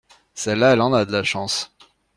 Celle-là elle en a de la chance.